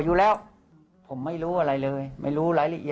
เรื่องปมชู้สาวอะไรต่าง